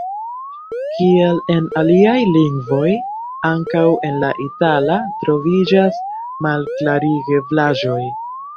Kiel en aliaj lingvoj, ankaŭ en la itala troviĝas malklarigeblaĵoj.